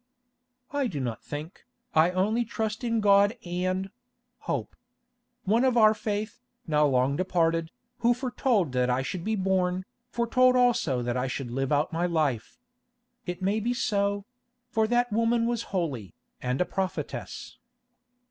"I do not think, I only trust in God and—hope. One of our faith, now long departed, who foretold that I should be born, foretold also that I should live out my life. It may be so—for that woman was holy, and a prophetess."